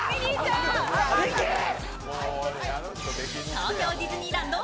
東京ディズニーランド